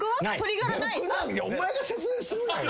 お前が説明するなよ！